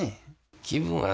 気分はね